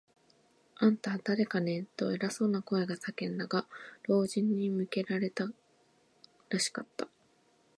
「あんた、だれだね？」と、偉そうな声が叫んだが、老人に向けられたらしかった。